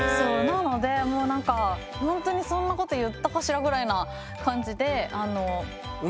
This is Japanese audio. なのでほんとにそんなこと言ったかしらぐらいな感じで。